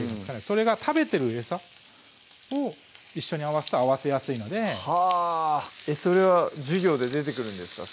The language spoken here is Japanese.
それが食べてる餌を一緒に合わすと合わせやすいのではぁそれは授業で出てくるんですか？